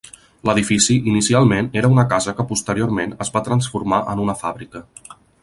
L'edifici inicialment era una casa que posteriorment es va transformar en una fàbrica.